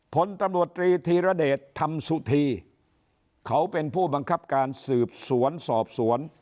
ผลตำรวจตรีธีรเดชธรรมสุธีเขาเป็นผู้บังคับการสืบสวนสอบสวน